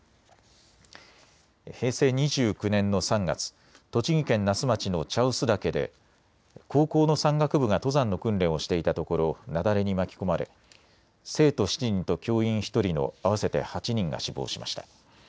平成２９年の３月、栃木県那須町の茶臼岳で高校の山岳部が登山の訓練をしていたところ雪崩に巻き込まれ生徒７人と教員１人の合わせて８人が死亡しました。